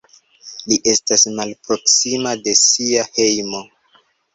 Li estas malproksima de sia hejmo.